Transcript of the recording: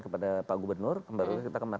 kepada pak gubernur kemarin kita